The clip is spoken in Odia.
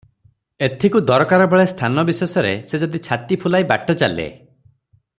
ଏଥିକୁ ଦରକାର ବେଳେ ସ୍ଥାନ ବିଶେଷରେ ସେ ଯଦି ଛାତି ଫୁଲାଇ ବାଟ ଚାଲେ